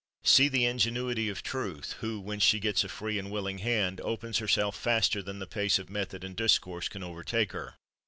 See the ingenuity of Truth, who, when she gets a free and willing hand, opens herself faster than the pace of method and discourse can overtake her.